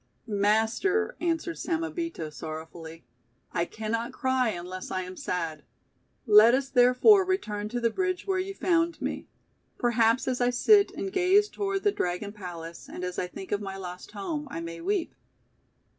" Master," answered Samebito, sorrowfully, I cannot cry unless I am sad. Let us, therefore, return to the bridge where you found me. Per haps as I sit and gaze toward the Dragon Palace, and as I think of my lost home, I may weep."